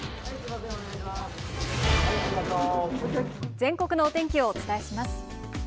全国のお天気をお伝えします。